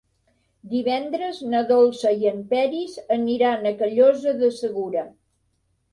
Divendres na Dolça i en Peris aniran a Callosa de Segura.